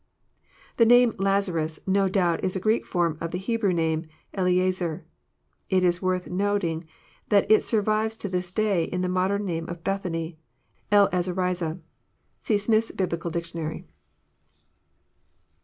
The name '* Lazarus" no doubt is a Greek form of the He brew name Eleazer." It is worth noticing, that it survives to this day in the modern name of Bethany, <* £1 Azarizeh." (^See Smith's Biblical Dictionary.)